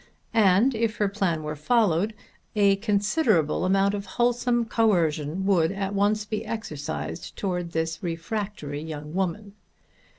And, if her plan were followed, a considerable amount of wholesome coercion would at once be exercised towards this refractory young woman.